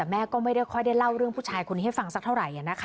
แม่ก็ไม่ได้ค่อยได้เล่าเรื่องผู้ชายคนนี้ให้ฟังสักเท่าไหร่